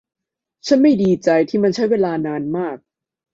ฉันไม่ดีใจที่มันใช้เวลานานมาก